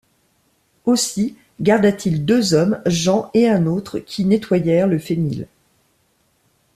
Aussi garda-t-il deux hommes, Jean et un autre, qui nettoyèrent le fenil.